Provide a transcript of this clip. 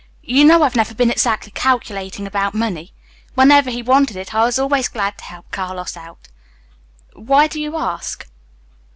"You know I've never been exactly calculating about money. Whenever he wanted it I was always glad to help Carlos out. Why do you ask?"